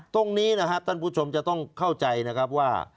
ตรงนี้นะครับท่านผู้ชมจะต้องเข้าใจนะครับว่า